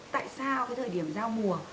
tại sao cái thời điểm giao mùa